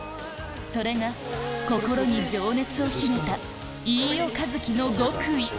それが心に情熱を秘めた飯尾和樹の極意